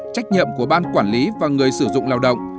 trách nhiệm của ban quản lý và người sử dụng lao động